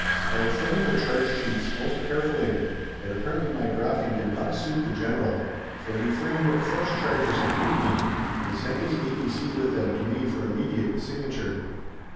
I had framed the charge sheets most carefully, but apparently my drafting did not suit the General, for he framed fresh charges of mutiny, and sent his A.D.C. with them to me for immediate signature.